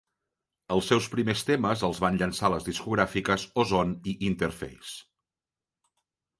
Els seus primers temes els van llançar les discogràfiques Ozone i Interface.